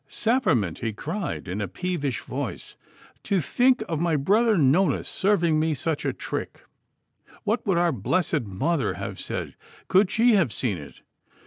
'Sapperment!' he cried in a peevish voice; 'to think of my brother Nonus serving me such a trick! What would our blessed mother have said could she have seen it?